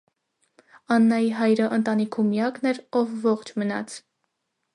Աննայի հայրը ընտանիքում միակն էր, ով ողջ մնաց։